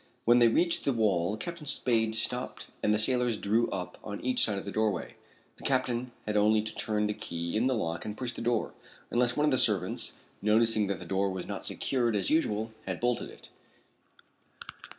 When they reached the wall Captain Spade stopped and the sailors drew up on each side of the doorway. The captain had only to turn the key in the lock and push the door, unless one of the servants, noticing that the door was not secured as usual, had bolted it.